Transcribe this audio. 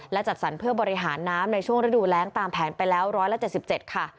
และจัดสรรเพื่อบริหารน้ำในช่วงฤดูแรงตามแผนไปแล้ว๑๗๗ค่ะ